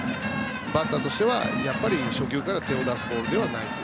バッターとしてはやっぱり初球から手を出すボールではない。